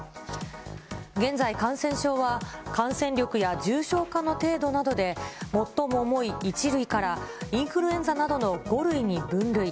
現在、感染症は、感染力や重症化の程度などで、最も重い１類からインフルエンザなどの５類に分類。